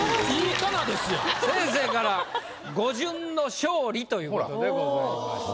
先生から「語順の勝利」ということでございました。